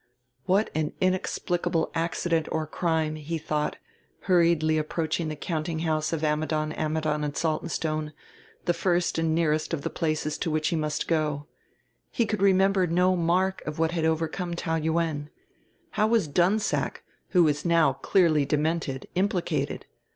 What an inexplicable accident or crime, he thought, hurriedly approaching the countinghouse of Ammidon, Ammidon and Saltonstone, the first and nearest of the places to which he must go. He could remember no mark of what had overcome Taou Yuen. How was Dunsack, who was now clearly demented, implicated?